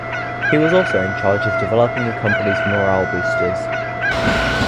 He was also in charge of developing the company’s morale boosters.